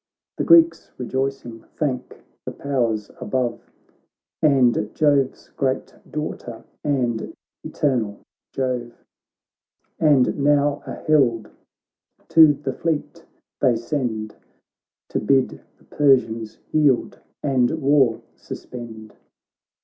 The Greeks rejoicing thank the powers above, And Jove's great daughter, and eternal Jove ; And now a herald to the fleet they send To bid the Persians yield, and war sus pend.